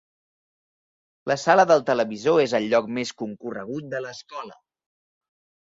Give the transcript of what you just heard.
La sala del televisor és el lloc més concorregut de l'escola.